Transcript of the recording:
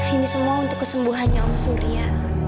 ini semua untuk kesembuhannya om surya